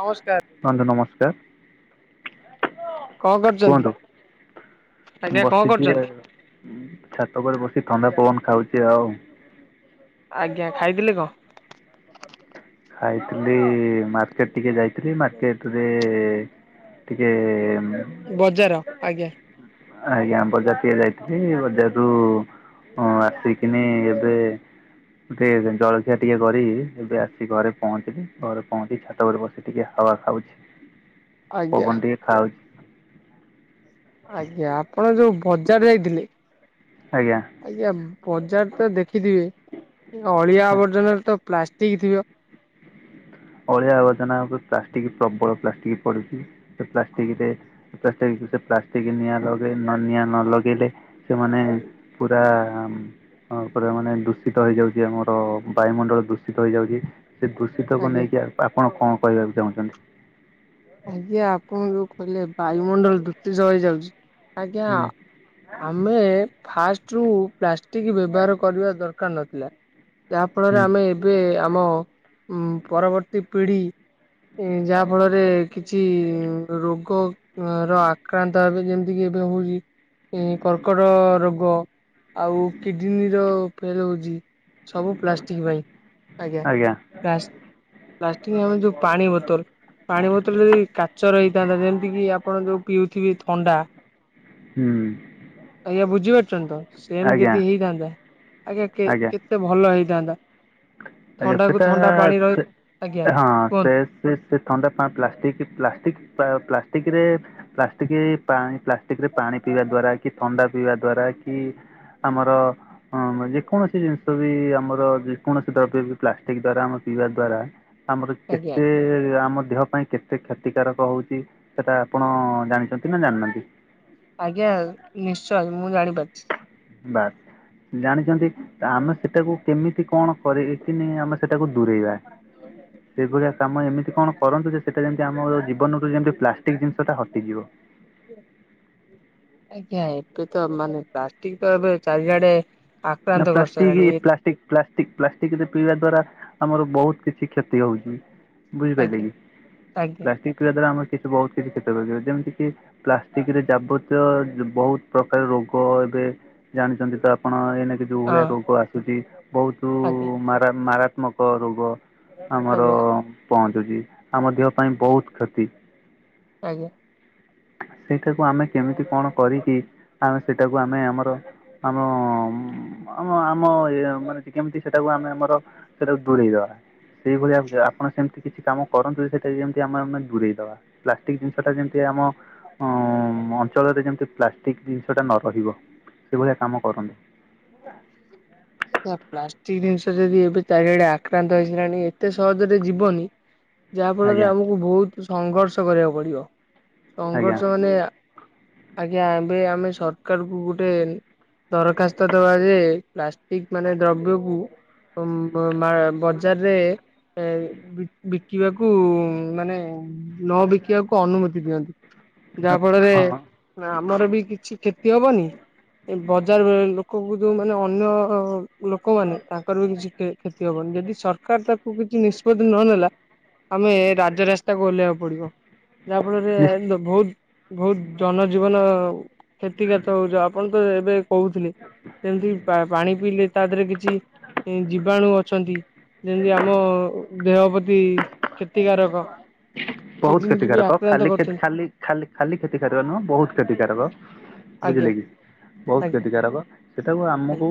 ନମସ୍କାର। ବନ୍ଧୁ ନମସ୍କାର। କଣ କରୁଛନ୍ତି? କୁହନ୍ତୁ ଆଜ୍ଞା କଣ ବସିଥିଲି। କରୁଛନ୍ତି? ଛାତ ଉପରେ ବସି ଥଣ୍ଡା ପବନ ଖାଉଛି ଆଉ ଆଜ୍ଞା ଖାଇଥିଲେ କଣ‌? ଖାଇଥିଲି ମାର୍କେଟ ଟିକେ ଯାଇଥିଲି ମାର୍କେଟ ରେ ଟିକେ ମୁଁ ବଜାର ଆଜ୍ଞା। ଆଜ୍ଞା ବଜାର ଟିକେ ଯାଇଥିଲି ବଜାରରୁ ହଁ ଆସିକିନି ଏବେ ଭେଜ୍ ଜଳଖିଆ ଟିକେ କରି ଏବେ ଆସି ଘରେ ପହଞ୍ଚିଲି ଘରେ ପହଞ୍ଚି ଛାତ ଉପରେ ବସି ଟିକେ ହା‌ୱଆ ଖାଉଛି ଆଜ୍ଞା ପବନ ଟିକେ ଖାଉଛି। କଣ ଆଜ୍ଞା ଆପଣ ଯୋଉ ବଜାର ଯାଇଥିଲେ? ଆଜ୍ଞା। ଆଜ୍ଞା ବଜାର ତ ଦେଖିଥିବେ ଅଳିଆ ଆବର୍ଜନାର ତ ପ୍ଲାଷ୍ଟିକ୍ ଥିବ ଅଳିଆ ଆବର୍ଜନା ଉପରେ ପ୍ଲାଷ୍ଟିକ୍ ପ୍ରବଳ ପ୍ଲାଷ୍ଟିକ୍ ପଡିଛି ସେ ପ୍ଲାଷ୍ଟିକରେ ସେଇ ପ୍ଲାଷ୍ଟିକ ନିଆଁ ଲଗେଇ ନ ନିଆଁ ନ ଲଗେଇଲେ ସେମାନେ ପୁରା ହଁ ପରା ମାନେ ଦୂଷିତ ହେଇଯାଉଛି ଆମର ବାୟୁମଣ୍ଡଳ ଦୂଷିତ ହେଇଯାଉଛି ସେ ଦୂଷିତକୁ ଆଜ୍ଞା ନେଇକି ଏବେ ଆପଣ କଣ କହିବାକୁ ଚାହୁଁଛନ୍ତି? ଆଜ୍ଞା ଆପଣ ଯୋଉ କହିଲେ ବାୟୁମଣ୍ଡଳ ଦୂଷିତ ହେଇଯାଉଛି? ଆଜ୍ଞା ହୁଁ ଆମେ ଫାଷ୍ଟରୁ ପ୍ଲାଷ୍ଟିକ ବ୍ୟବହାର କରିବା ଦର ଦରକାର ନଥିଲା ଯାହା ଫଳରେ ହୁଁ ଆମେ ଏବେ ଆମ ପରବର୍ତ୍ତୀ ପିଢି ଯାହାଫଳରେ କିଛି ରୋଗ ର ଆକ୍ରାନ୍ତ ଆଗେ ଯେମିତି କିି ଏବେ ହଉଛି। ଏ କର୍କଟ ରୋଗ ଆଉ କିଡନୀ ଯୋଉ ଫେଲ ହଉଛି। ସବୁ ପ୍ଲାଷ୍ଟିକି ପାଇଁ। ଆଜ୍ଞା ପ୍ଲାଷ୍ଟ ପ୍ଲାଷ୍ଟିକ୍ ଆମେ ଯୋଉ ପାଣି ବୋତଲ ପାଣି ବୋତ ବୋତଲ ଯଦି କାଚର ହେଇଥାନ୍ତା ଯେମିତି କିି ଆପଣ ଯୋଉ ପିଉଥିବେ ଥଣ୍ଡା। ହୁଁ। ଆଜ୍ଞା ବୁଝିପାରୁଛନ୍ତି ତ ସେମିତି ଆଜ୍ଞା ଯଦି ହେଇଥାନ୍ତା ଆଜ୍ଞା କେତେ ଭଲ ହେଇଥାନ୍ତା। ଆଜ୍ଞା ଥଣ୍ଡାକୁ ସେଟା ଥଣ୍ଡା ପାଣି ରହି ସେ ଆଜ୍ଞା ହଁ ସେ କୁହନ୍ତୁ ସେ ଥଣ୍ଡା ପା ପ୍ଲାଷ୍ଟିକ୍ ପ୍ଲାଷ୍ଟିକ୍ ପ୍ଲାଷ୍ଟିକିରେ ପ୍ଲାଷ୍ଟିକ୍ ପାଣି ପ୍ଲାଷ୍ଟିକିରେ ପାଣି ପିଇବା ଦ୍ଵାରା କି ଥଣ୍ଡା ପିଇବା ଦ୍ଵାରା କି ଆମର ହଁ ଯେକୌଣସି ଜିନିଷ ବି ଆମର କୌଣସି ଦ୍ରବ୍ୟବି ପ୍ଲାଷ୍ଟିକ୍ ଦ୍ଵାରା ଆମ ପିଇବା ଦ୍ଵାରା ଆମର ଆଜ୍ଞା କେତେ ଆମ ଦେହ ପାଇଁ କେତେ କ୍ଷତିକାରକ ହଉଛି ସେଟା ଆପଣ ଜାଣିଛନ୍ତି ନା ଜାଣିନାହାନ୍ତି? ଆଜ୍ଞା ନିଶ୍ଚୟ ମୁଁ ଜାଣିପାରୁଛିି। ବାସ୍। ଜାଣିଛନ୍ତି ତ ଆମେ ସେଟାକୁ କେମିତି କଣ କରି କିିନି ଆମେ ସେଟାକୁ ଦୂରେଇବା। ସେଭଳିଆ କାମ ଏମିତି କଣ କରନ୍ତୁ ଯେ ସେଟା ଯେମିତି ଆମ ଜୀବନରୁ ଯେମତି ପ୍ଲାଷ୍ଟିକ୍ ଜିନିଷଟା ହଟିଯିବ। ଆଜ୍ଞା ଏବେ ତ ମାନେ ପ୍ଲାଷ୍ଟିକ ତ ଏବେ ଚାରିଆଡେ ଆକ୍ରାନ୍ତ କରସାରିଲାଣି ଏ ଷ୍ଟିକ୍ ପ୍ଲାଷ୍ଟକ ପ୍ଲାଷ୍ଟିକ ରେ ପିଇବା ଦ୍ଵାରା ଆମର ବହୁତ କିଛି କ୍ଷତି ହଉଛି। ବୁଝିପାରିଲେ ଆଜ୍ଞା କି ଆଜ୍ଞା ପ୍ଲାଷ୍ଟିକ ପିଇବା ଦ୍ଵାରା ଆମର କି ବହୁତ କିଛି କ୍ଷତି ଯେମିତି କି ପ୍ଲାଷ୍ଟିକ ରେ ଯାବତୀୟ ବହୁତ ପ୍ରକାର ରୋଗ ଏବେ ଜାଣିଛନ୍ତି ତ ଆପଣ ଏଇନେ ଯୋଉ ଭଳିଆ ହଁ ରୋଗ ଆସୁଛି ବହୁତ ଆଜ୍ଞା ମାରା ମାରାତ୍ମକ ରୋଗ। ଆମର ଆଜ୍ଞା ପହଞ୍ଚୁଛି ଆମ ଦେହ ପାଇଁ ବହୁତ କ୍ଷତି। ଆଜ୍ଞା। ସେଇଟାକୁ ଆମେ କେମିତି କଣ କରିକି ଆମେ ସେଟାକୁ ଆମେ ଆମର ଆମ ଆମ ଆମ ଇଏ ମାନେ କେମିତି ସେଟାକୁ ଆମେ ଆମର ସେଇଟାକୁ ଦୂରେଇ ଦବା, ସେଇଭଳି ଆପଣ ସେମିତି କିଛି କାମ କରନ୍ତୁ ସେଇଟା ଯେମତି ଆମେ ଆମେ ଦୂରେଇ ଦବା। ପ୍ଲାଷ୍ଟିକ ଜିନିଷଟା ଯେମିତି ଆମ ଅଁ ଅଞ୍ଚଳରେ ଯେମିତି ପ୍ଲାଷ୍ଟିକ ଜିନିଷଟା ନ ରହିବ ସେଭଳିଆ କାମ କରନ୍ତୁ। ଆ୍ ପ୍ଲାଷ୍ଟିକ ଜିନିଷ ଯଦି ଏବେ ଚାରିଆଡେ ଆକ୍ରାନ୍ତ ହେଇିସାଲାଣି ଏତେ ସହଜରେ ଯିବନି ଁ ଯାହା ଫଳରେ ଆଜ୍ଞା ଆମକୁ ବହୁତ ସଂଘର୍ଷ କରିବାକୁ ପଡିବ, ଆଜ୍ଞା ସଂଘର୍ଷ ମାନେ ଆଜ୍ଞା ଏବେ ଆମେ ସରକାରକୁ ଗୋଟି କ ଗୋଟେ ଦରଖାସ୍ତ ରେ ପ୍ଲାଷ୍ଟିକ ମାନେ ଦ୍ରବ୍ୟକୁ ମା ବଜାରରେ ଏ ବିକି ବିକିବାକୁ ମାନେ ନ ବିକିବାକୁ ଅନୁମତି ଦିଅନ୍ତି। ଯାହା ଫଳରେ ହଁ ଆମର ବି କିଛି କ୍ଷତି ହବନି, ଏ ବଜାର ଲୋ ବୁଦୁ ମାନେ ଅନ୍ୟ ଲୋକମାନୋ ତାଙ୍କର ବି କିଛି କ୍ଷତି ହବନି ଯଦି ସରକାର ତାକୁ କିଛି ନିଷ୍ପତି ନ ନେଲା ଆମେ ରାଜରାସ୍ତାକୁ ଓହ୍ଲେଇବାକୁ ପଡିବ ଯାହା ଫଳରେ ନିଶ୍ଚ ବହୁତ ବହୁତ ଜନଜୀବନ କ୍ଷତି କାତ ହଉଛ ଆପଣ ତ ଏବେ କହୁଥିଲେ। ସେମିତି ପାଣି ପିଇଲେ ତା ଦେହରେ କିଛି ଏଇ ଜୀବାଣୁ ଅଛନ୍ତି ଯେମିତି ଆମ ଦେହ ପ୍ରତି କ୍ଷତିକାରକ ବହୁତ କିଡନୀ କି ବି କ୍ଷତିକାରକ ଖାଲି ଆକ୍ରାନ୍ତ କରୁଛନ୍ତି ଖାଲି ଖାଲି ଖାଲି କ୍ଷତି କରିବା ନୁହଁ ବହୁତ କ୍ଷତିକାରକ ଆଜ୍ଞା ବୁଝିଲେ କି ବହୁତ ଆଜ୍ଞା। କ୍ଷତିକାରକ ସେଟାକୁ ଆମକୁ ଆଜ୍ଞା।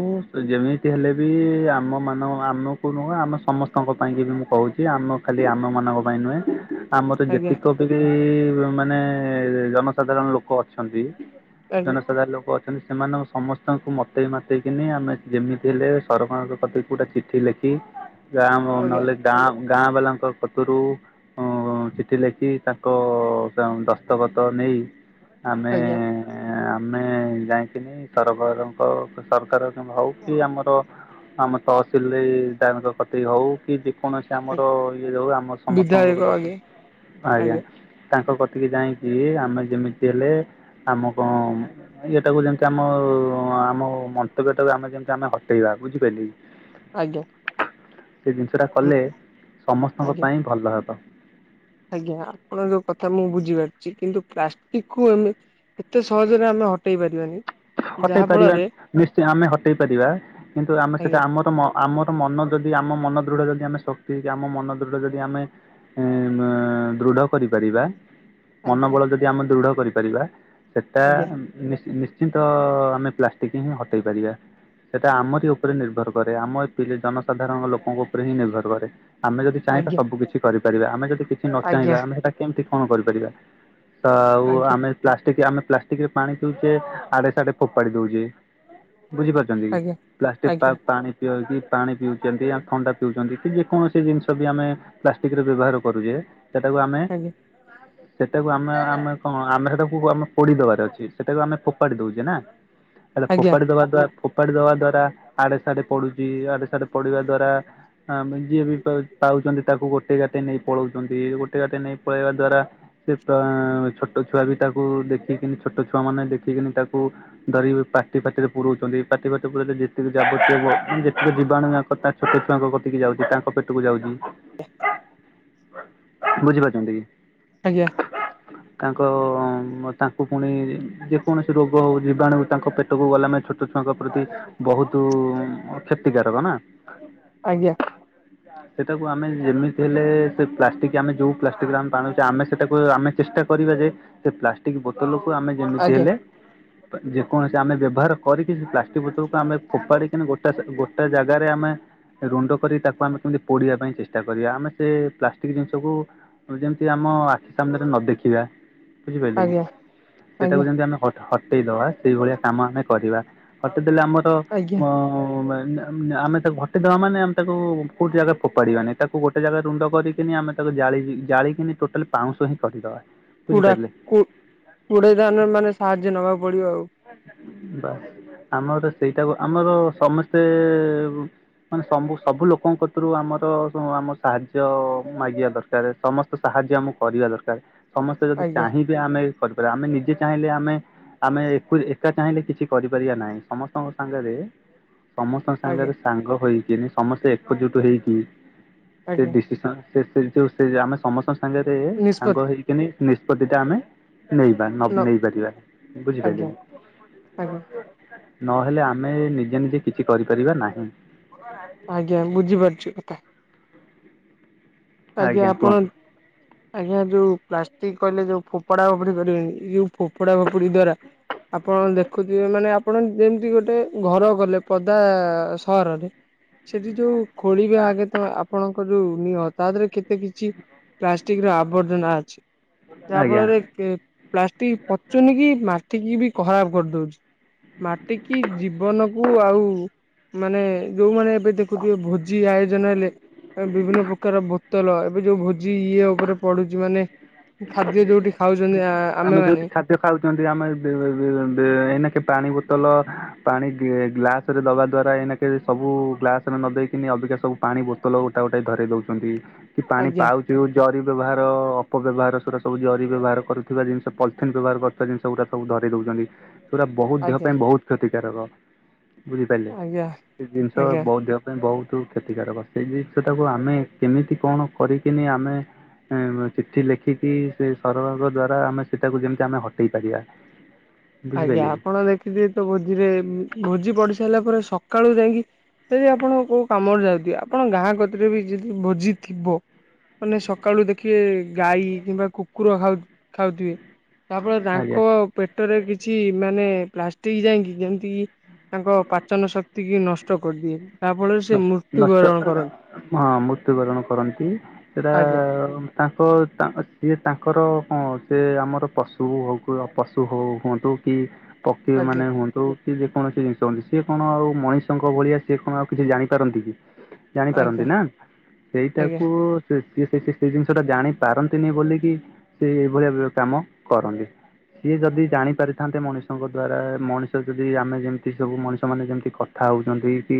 ଯେମିତି ହେଲେ ବି ଆମ ମାନ ଆମକୁ ନୁହଁ ଆମେ ସମସ୍ତଙ୍କ ପାଇଁକ ବି ମୁଁ କହୁଛି ଆମ ଖାଲି ଆମ ମାନଙ୍କ ପାଇଁ ନୁହେଁ ଆମର ଆଜ୍ଞା ଯେତିକ ତଥାବି ମାନେ ଜନସାଧାରଣ ଲୋକ ଅଛନ୍ତି ଆଜ୍ଞା ଜନସାଧାରଣ ଲୋକ ଅ ସେନ୍ ସେମାନେ ସମସ୍ତଙ୍କୁ ମତେଇ ମତେଇକିନି ଆମେ ଯେମିତି ହେଲେ ସରକାରଙ୍କ କଥା ଗଉଁଟେ ଚିଠି ଲେଖି ଗାଁ ଆଜ୍ଞା ନହେଲେ ଗାଁ ଗାଁ ବାଲାଙ୍କ ପତରୁ ଉ ଚିଠି ଲେଖି ତାଙ୍କ ଦ ଦସ୍ତଖତ ନେଇ ଆମେ ଆଜ୍ଞା ଆଜ୍ଞା ଆମେ ଯାଇକିନି ସରକାରଙ୍କ ସରକାର ହଉ କି ଆମର ଆମ ତହସିଲ ଦିକ କତି ହଉ କି ଯେକୌଣସି କି ଆମର ଇଏ ଯଉ ଆମର ବିଧାୟକ ସମସ୍ତଙ୍କକଥା ଆଜ୍ଞା ଆଜ୍ଞା ତାଙ୍କ କତିକି ଯାଇକି ଆମେ ଯେମିତି ହେଲେ ଆମ କଣ ନାଇଁ ଏଇଟାକୁ ଯେମିତି ଆମ ଆମ ମନ୍ତବ୍ୟ ଟାକୁ ଆମେ ଯେମିତି ଆମେ ହଟେଇବା ବୁଝିପାରିଲେ କି ଆଜ୍ଞା ସେ ଜିନିଷ ଟା ଆମ କଲେ ସମସ୍ତଙ୍କ ଆଜ୍ଞା ପାଇଁ ଭଲ ହେବ ଆଜ୍ଞା ଆପଣଙ୍କ କଥା ମୁଁ ବୁଝିପାରୁଛି କିନ୍ତୁ ପ୍ଲାଷ୍ଟିକ କୁମ ଏତେ ସହଜରେ ଆମେ ହଟେଇ ପାରିବାନି ହଟେଇ ଯାହା ପାରିବା ଫଳରେ ନିଶ୍ଚିତ ଆମେ ହଟେଇ ପାରିବା। କିନ୍ତୁ ଆମେ ସେଟା ଆଜ୍ଞା ଆମର ମ ଆମର ମନ ଯଦି ଆମ ମନ ଦୃଢ ଯଦି ଆମେ ଶକ୍ତି ହେଇକି ଆମ ମନ ଦୃଢ ଯଦି ଆମେ ଏ - ମେ -ଦୃଢ କରିପାରିବା। ଆଜ୍ଞା ମନୋବଳ ଯଦି ଆମେ ଦୃଢ କରିପାରିବା ସେଟା ଆଜ୍ଞା। ନିସ୍ ନିସ ନିଶ୍ଚନ୍ତ ଆମେ ପ୍ଲାଷ୍ଟିକି ହିଁ ହଟେଇ ପାରିବା। ସେଇଟା ଆମରି ଉପରେ ନିର୍ଭର କରେ। ଆମ ଏ ପିଲ ଜନ ସାଧାରଣ ଲୋକଙ୍କ ଉପରେ ହିଁ ନିର୍ଭର କରେ ଆମେ ଯଦି ଚାହିଁବା ଆଜ୍ଞା ସବୁ କିଛି କରିପାରିବା ଆମେ ଯଦି କି କି ନ ଆଜ୍ଞା ଚାହିଁବା ଆମେ ସେଟା କେମିତି କଣ କରିପାରିବା ତ ଆଉ ଆଜ୍ଞା ଆମେ ପ୍ଲାଷ୍ଟିକ ଆମେ ପ୍ଲାଷ୍ଟିକ ରେ ପାଣି ପିଉଛେ ଆଡେ ସାଡେ ଫୋପାଡି ଦଉଛେ ବୁଝିପାରୁଛେ। ଛନ୍ତି ପ୍ଲାଷ୍ଟିକି ପା ଆଜ୍ଞା ଆଜ୍ଞା ପାଣି। ପିଇକି ପାଣି ପିଉଛନ୍ତି ଆମେ ଥଣ୍ଡା ପିଉଛନ୍ତି କି ଯେ କୌଣସି ଜିନିଷ ବି ଆମେ ପ୍ଲାଷ୍ଟିକିର ବ୍ୟବହାର କରୁଛେ ସେଟାକୁ ଆମେ ସେଟାକୁ ଆମେ ଆମେ କଣ ଆମେ ସେଟାକୁ ଆମେ ପୋଡିଦବାର ଅଛି ସେଟାକୁ ଆମେ ଫୋପାଡ଼ି ଦଉଛେ ନା। ହେଲେ ଆଜ୍ଞା ଫୋପାଡ଼ି ଦବା ଦ୍ବାରା ଫୋପାଡ଼ି ଦବା ଦ୍ଵାରା ଆଡେ ସଡେ ପଡୁଛି ଆଡେ ସା ପଡିବା ଦ୍ଵାରା ଆମେ ଯିଏ ବି ପାଉ ପାଉଚନ୍ତି ତାକୁ ଗୋଟେ ଗୋଟେଇ ଗାଟେଇ ନେଇ ପଳଉଛନ୍ତି ଗୋଟେଇ ଗାଟେଇ ନେଇ ପଳେଇବା ଦ୍ଵାରା ସେ ତ ଛୋଟ ଛୁଆ ବି ତାକୁ ଦେଖିକିନି ଛୋଟ ଛୁଆ ମାନେ ଦେଖିକିନି ତାକୁ ଧରିକି ପାଟି ଫାଟିରେ ପୁରାଉଛନ୍ତି ପାଟି ବାଟେ ପୁରେଇଲେ ଯେତିକି ଯାବତବ ଯେତିକି ଯିବାଣୁ ଯ ଛୋଟ ଛୁଆଙ୍କ କତିକି ଯାଉଛି। ତାଙ୍କ ପେଟକୁ ଯାଉଛି। ବୁଝିପାରୁଛନ୍ତି କି? ଆଜ୍ଞା। ତାଙ୍କ ତାଙ୍କୁ ପୁଣି ଯେକୌଣସି ରୋଗ ହେଉ ଜୀବାଣୁ ତାଙ୍କ ପେଟକୁ ଗଲା ମାନେ ଛୋଟ ଛୋଟ ଛୁଆଙ୍କ ପ୍ରତି ବହୁତ କ୍ଷତିକାରକ ନା। ଆଜ୍ଞା। ସେଟାକୁ ଆମେ ଯେମିତି ହେଲେ ସେ ପ୍ଲାଷ୍ଟିକ ଆମେ ଯୋଉ ପ୍ଲାଷ୍ଟିକରେ ଆମେ ପାଣୁଛେ ଆମେ ସେଟାକୁ ଆମେ ଚେଷ୍ଟା କରିବା ଯେ ସେ ପ୍ଲାଷ୍ଟିକ ବୋତଲକୁୁ ଆମେ ଯେମିତି ଆଜ୍ଞା ହେଲେ ଯେକୌଣସି ଆମେ ବ୍ୟବହାର କରିକି ସେ ପ୍ଲାଷ୍ଟିକ ବୋତଲକୁ ଆମେ ଫୋପାଡି ଗୋଟା ଗୋଟେ ଜାଗାରେ ଆମେ ରୁଣ୍ଡ କରି ତାକୁ ଆମେ କେମିତି ପୋଡିବା ପାଇଁ ଚେଷ୍ଟା କରିବା। ଆମେ ସେ ପ୍ଲାଷ୍ଟିକ ଜିନିଷକୁ ଯେମିତି ଆମ ଆଖି ସାମ୍ନାରେ ନ ଦେଖିବା ବୁଝିପାରିଲେ କି? ଆଜ୍ଞା ସେଟାକୁ ଆଜ୍ଞା ଯେମିତି ଆମେ ହଟେଇଦବା ସେଇଭଳିଆ କାମ ଆମେ କରିବା ହଟେଇଦେଲେ ଆମର ଆଜ୍ଞା ହଁ ଆମେ ତାକୁ ଘଟିଦବା ମାନେ ଆମେ ତାକୁ କୋଉଠି ଜାଗା ଫୋପାଡିବା ନାଇ। ତାକୁ ଗୋଟେ ଜାଗା ରୁଣ୍ଡ କରିକିନି ଆମେ ତାକୁ ଜା ଜାଳିକିନି ଟୋଟାଲି ପାଉଁଶ ହିଁ କରିଦବା। କୁଡା ବୁଝିପାରିଲେ କୁ କୁଡେଇ ଧାନ ମାନେ ସାହାଯ୍ୟ ନବାକୁ ପଡିବ। ବାସ ଆମର ସେଇଟାକୁ ଆମର ସମସ୍ତେ ମାନେ ସବୁ ସବୁ ଲୋକଙ୍କ କତିରୁ ଆମର ଯୋଉ ଆମ ସାହାଯ୍ୟ ମାଗିବା ଦରକାର। ତାପରେ ସମସ୍ତ ସାହାଯ୍ୟ ଆମକୁ କରିବା ଦରକାର। ସମସ୍ତେ ଯଦି ଆଜ୍ଞା ଚାହିଁବେ ଆମେ କରିପାରିବା ଆମେ ନିଜେ ଚାହିଁଲେ ଆମେ ଆମେ ପୁଣି ଏକା ଚାହିଁଲେ କିଛି କରିପାରିବା ନାହିଁ। ସମସ୍ତଙ୍କ ସାଙ୍ଗରେ ସମସ୍ତଙ୍କ ଆଜ୍ଞା। ସାଙ୍ଗରେ ସାଙ୍ଗ ହୋଇକିିନି ସମସ୍ତେ ଏକଜୁଟ ହେଇକି ସେ ଆଜ୍ଞା ଡିସିସନ ସେ ସେ ଯୋଉ ସେ ଆମେ ସମସ୍ତଙ୍କ ସାଙ୍ଗରେ ନିଷ୍ପତ୍ତି ସାଙ୍ଗ ହେଇକି ନିଷ୍ପତ୍ତି ଟା ଆମେ ନେଇବା ନ ନେଇପାରିବା ଆଜ୍ଞା ବୁଝିପାରିଲେ କି? ଆଜ୍ଞା। ନହେଲେ ଆମେ ନିଜେ ନିଜେ କିଛି କରିପାରିବା ନାହିଁ। ଆଜ୍ଞା ବୁଝିପାରୁଛୁ କଥା। ଆଜ୍ଞା ଆପଣ ଆଜ୍ଞା ଯୋଉ ପ୍ଲାଷ୍ଟିକ କହିଲେ ଯୋଉ ଫୋପଡା ଫୋଫୁଡି କରିବେନି ଏହି ଫୋପଡା ଫୋଫୁଡି ଦ୍ଵାରା ଆପଣ ଦେଖୁଥିବେ ମାନେ ଆପଣ ଯେମିତି ଗୋଟେ ଘର କଲେ ପଦା ସହରରେ ସେଠି ଯୋଉ ଖୋଳିବେ ଆଗେ ତ ଆପଣଙ୍କ ଯୋଉ ନିଅ ତା ଦେହରେ କେ କିଛି ପ୍ଲାଷ୍ଟିକ ର ଆବର୍ଜନା ଅଛି ଯାହା ଆଜ୍ଞା। ଫଳରେ କେ ପ୍ଲାଷ୍ଟିକ ପଚୁନି କି ମାଟିକି ବି ଖରାପ କରିଦଉଛି। ମାଟିକି ଜୀବନକୁ ଆଉ ମାନେ ଯୋଉମାନେ ଏବେ ଦେଖୁଥିବେ ଭୋଜି ଆୟୋଜନ ହେଲେ ତାଙ୍କେ ବିଭିନ୍ନ ପ୍ର ବୋତଲ ଏବେ ଯୋଉ ଭୋଜି ଇଏ ଉପରେ ପଡୁଛି ମାନେ ଖାଦ୍ୟ ଯୋଉଠି ଖାଉଛନ୍ତି ଆ ଆମେମାନେ ସିଏ ଖାଉଛନ୍ତି ଆମେ ଏ ବେ ବେ ବେ ଏଇନାକେ ପାଣି ବୋତଲ ପାଣି ଗି ଗ୍ଲାସ ରେ ଦବା ଦ୍ଵାରା ଏଇନାକେ ସବୁ ଗ୍ଲାସ ରେ ନ ଦେଇକିନି ଅଧିକା ସବୁ ପାଣି ବୋତଲ ଗୋଟା ଗୋଟାକି ଧରେଇ ଦଉଛନ୍ତି। କି ପାଣି ଆଜ୍ଞା ପାଉଚୁ ଜରି ବ୍ୟବହାର ଅପବ୍ୟବହାର ଶଶୁର ସବୁ ଜରି ବ୍ୟବହାର କରୁଥିବା ଜିନିଷ ପଲିଥିନ୍ ବ୍ୟବହାର କରୁଥିବା ଜିନିଷ ଗୁରା ସବୁ ଧରେଇ ଦଉଛନ୍ତି। ପୁରା ବହୁତ ଦେହ ଆଜ୍ଞା ପାଇଁ ବହୁତ କ୍ଷତିକାରକ ବୁଝିପାରିଲେ। ଆଜ୍ଞା ସେ ଜିନିଷ ଆଜ୍ଞା ବହୁତ ଦେହ ପାଇଁ ବହୁତ କ୍ଷତିକାରକ ସେଇ ଜିନିଷ ଟାକୁ ଆମେ କେମିତି କଣ କରିକିନି ଆମେ ହଁ ମୁଁ ଚିଠି ଲେଖି କି ସେ ସରଳର ଦ୍ଵାରା ଆମେ ସେଟାକୁ ଯେମିତି ଆମେ ହଟେଇ ପାରିବା। ଆଜ୍ଞା ବୁଝିପାରିଲେ କି ଆପଣ ଦେଖିଥିବେ ତ ଭୋଜିରେ ଭୋଜି ପଡିି ସାରିଲା ପରେ ସକାଳୁ ଯାଇକି ଯଦି ଆପଣ କୋଉ କାମରେ ଯାଉଥିବେ ଆପଣଙ୍କ ଗାଁ କତିରେ ବି ଯଦି ଭୋଜି ଥିବ। ମାନେ ସକାଳୁ ଦେଖିବେ ଗାଈ କିମ୍ବା କୁକୁର ଖାଉ ଖାଉଥିବେ ତା ଫଳରେ ଆଜ୍ଞା ତାଙ୍କ ପେଟରେ କି ଛି ମାନେ ପ୍ଲାଷ୍ଟିକ ଯାଇକି ଯେମିତିକି ତାଙ୍କ ପାଚନ ଶକ୍ତି କି ନଷ୍ଟ କରିଦିଏ। ତା ଫଳରେ ସେ ନ ନଷ୍ଟ ମୃତ୍ୟୁବରଣ କରନ୍ତି। ହଁ ମୃତ୍ୟୁବରଣ କରନ୍ତି। ସେଇଟା ଆଜ୍ଞା ତାଙ୍କ ତା ସିଏ ତାଙ୍କର କଣ ସେ ଆମର ପଶୁ ଗୋକୁଳ ପଶୁ ହଉ ହୁଅନ୍ତୁ କି ପକ୍ଷୀ ଆଜ୍ଞା ମାନେ ହୁଅନ୍ତୁ କି ଯେକୌଣସି ଜିନିଷ ହୁଅନ୍ତ ସିଏ କଣ ଆଉ ମଣିଷଙ୍କ ଭଳିଆ ସିଏ କଣ ଆଉ କିଛି ଜାଣିପାରନ୍ତି କି ଜାଣିପାରନ୍ତି ଆଜ୍ଞା ନା। ଆଜ୍ଞା ସେଇଟାକୁ ସେ ସେ ସେ ସେ ଜିନିଷ ଟା ଜାଣି ପାରନ୍ତିନି ବୋଲିକି ସେ ଏଇଭଳିଆ କାମ କରନ୍ତି। ସିଏ ଯଦି ଜାଣି ପାରିଥାନ୍ତେ ମଣିଷଙ୍କ ଦ୍ଵାରା ମଣିଷ ଯଦି ଆମେ ଯେମିତି ସବୁ ମଣିଷ ମାନେ ଯେମିତି କ - ଆଉ ସେମିତି କିଛି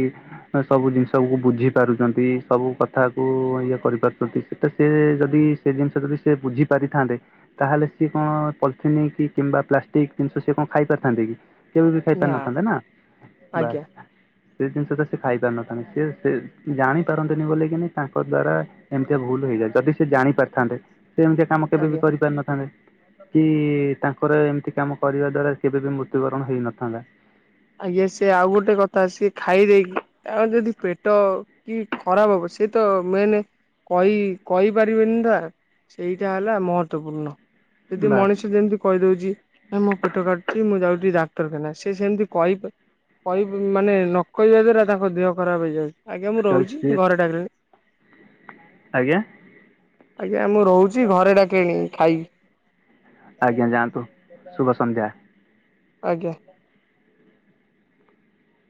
ନା ସବୁ ଜିନିଷକୁ ବୁଝିପାରୁଛନ୍ତି ସବୁ କଥାକୁ ଇଏ କରିପାରୁଛନ୍ତି ସେଟା ସେ ଯଦି ସେ ଜିନିଷଟା ତ ସେ ବୁଝି ପାରିଥାନ୍ତେ। ତାହେଲେ ସିଏ କଣ ପଲିଥିନି କି କିମ୍ବା ପ୍ଲାଷ୍ଟିକ ଜିନିଷ ସିଏ କଣ ଖାଇ ପାରିଥାନ୍ତେ କି? କେବେ ବି ଖାଇ ପାରିନଥାନ୍ତେ ନା ବାସ୍ ଆଜ୍ଞା ସେ ଜିନିଷଟା ସେ ସେ ଖାଇ ପାରିନଥାନ୍ତେ ସେ ସେ ଜାଣି ପାରନ୍ତିନି ବୋଲିକି ତାଙ୍କ ଦ୍ଵାରା ଏମିତିଆ ଭୁଲ ହେଇଯାଏ ଯଦି ସେ ଜାଣି ପାରିଥାନ୍ତେ ସେ ଏମିତିଆ କାମ କେବେ ବି ଆଜ୍ଞା କରିପାରିନଥାନ୍ତେ। କି ତାଙ୍କର ଏମିତି କାମ କରିବା ଦ୍ଵାରା କେବେ ବି ମୃତ୍ୟୁବରଣ ହେଇନଥାନ୍ତା। ଆଜ୍ଞା ସେ ଆଉ ଗୋଟେ କଥା ସିଏ ଖାଇଦେଇକି ତାଙ୍କର ଯଦି ପେ ପେଟ କି ଖରାପ ହବ ସେ ତ ମେନ କହି କହିପାରିବେନି ନା ସେଇଟା ହେଲା ମହତ୍ୱପୂର୍ଣ୍ଣ ଯଦି ବାସ୍ ମଣିଷ ଯେମିତି କହିଦଉଛି ଏ ମୋ ପେଟ କାଟୁଛି ମୁଁ ଯାଉଛିି ଡାକ୍ତରଖାନା ସେ ସେମିତି କହିପା କହି ମାନେ ନ କହିବା ଦ୍ଵାରା ତାଙ୍କ ଦେହ ଖରାପ ହେଇଯାଉଛି ଆଜ୍ଞା ମୁଁ ରହୁଛି ଘରେ ଡାକିଲେଣି। ଆ ଆଜ୍ଞା ଆଜ୍ଞା ମୁଁ ରହୁଛି ଘରେ ଡାକିଲେଣି ଖାଇବି। ଆଜ୍ଞା ଯାଆନ୍ତୁ ଶୁଭ ସନ୍ଧ୍ୟା। ଆଜ୍ଞା